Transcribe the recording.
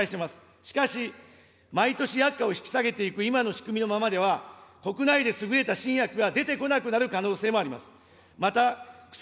しかし、毎年薬価を引き下げていく、今の仕組みのままでは、国内で優れた新薬が出てこなくなる可能性もあります。